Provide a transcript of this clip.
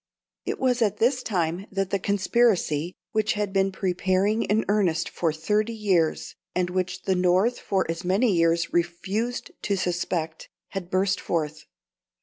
It was at this time that the conspiracy, which had been preparing in earnest for thirty years, and which the North for as many years refused to suspect, had burst forth.